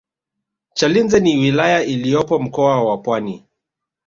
chalinze ni wilaya iliyopo mkoa wa pwani